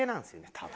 多分。